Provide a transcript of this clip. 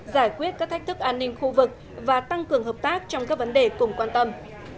giải quyết các thách thức an ninh khu vực và tăng cường hợp tác trong các vấn đề cùng quan tâm